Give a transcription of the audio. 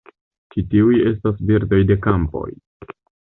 Ĉi tiuj estas birdoj de kampoj.